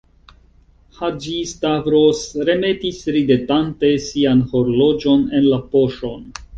Haĝi-Stavros remetis ridetante sian horloĝon en la poŝon.